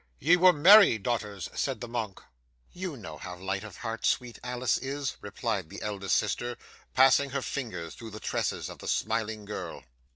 '"Ye were merry, daughters," said the monk. '"You know how light of heart sweet Alice is," replied the eldest sister, passing her fingers through the tresses of the smiling girl.